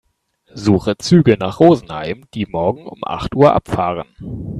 Suche Züge nach Rosenheim, die morgen um acht Uhr abfahren.